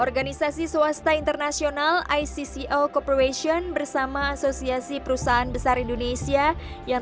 organisasi swasta internasional icco cooperation bersama asosiasi perusahaan besar indonesia yang